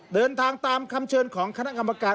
เดินทางตามคำเชิญของคณะกรรมการ